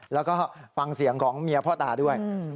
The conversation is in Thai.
แล้วก็ฟังเสียงของเมียพ่อตาด้วย